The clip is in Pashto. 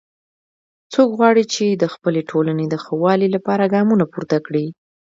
څوک غواړي چې د خپلې ټولنې د ښه والي لپاره ګامونه پورته کړي